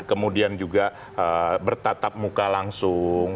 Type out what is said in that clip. kemudian juga bertatap muka langsung